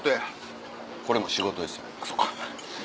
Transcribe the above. そっか。